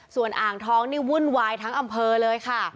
ส่วนอ่างทองนี่วุ่นวายทั้งอำเภอเลยค่ะ